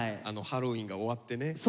ハロウィーンが終わってね。